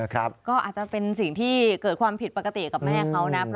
ก็อาจจะเป็นสิ่งที่เกิดความผิดปกติกับแม่เขานะ